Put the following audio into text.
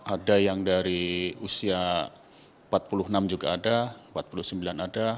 ada yang dari usia empat puluh enam juga ada empat puluh sembilan ada